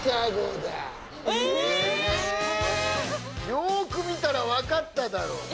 よく見たら分かっただろ？